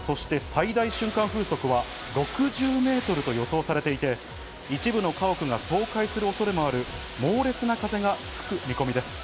最大瞬間風速は６０メートルと予想されていて、一部の家屋が倒壊する恐れもある猛烈な風が吹く見込みです。